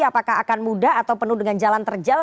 apakah akan mudah atau penuh dengan jalan terjal